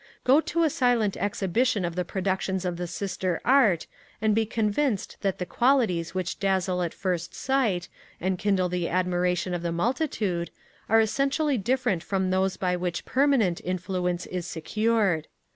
Go to a silent exhibition of the productions of the sister Art, and be convinced that the qualities which dazzle at first sight, and kindle the admiration of the multitude, are essentially different from those by which permanent influence is secured.